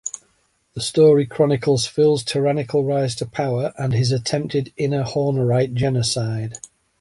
The story chronicles Phil's tyrannical rise to power and his attempted Inner Hornerite genocide.